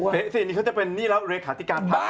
สินี่เขาจะเป็นนี่แล้วเลขาธิการพัก